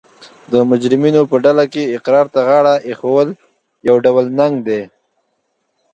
د مجرمینو په ډله کې اقرار ته غاړه ایښول یو ډول ننګ دی